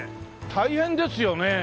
大変ですよね！